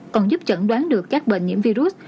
còn giúp chẩn đoán được các bệnh nhiễm virus